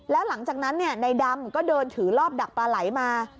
แล้วหลังจากนั้นในดำก็เดินถือรอบดักปลาไหลมา